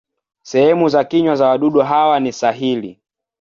Sehemu za kinywa za wadudu hawa ni sahili.